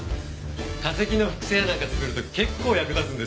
化石の複製やなんか作る時結構役立つんですよ。